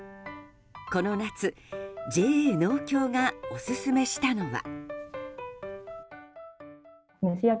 この夏、ＪＡ農協がオススメしたのは。